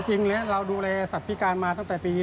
จริงแล้วเราดูแลสัตว์พิการมาตั้งแต่ปี๒๕